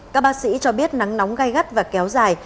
các bác sĩ cho biết nắng nóng gai gắt và kéo dài